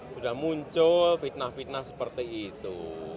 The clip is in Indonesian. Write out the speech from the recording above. sudah muncul fitnah fitnah seperti itu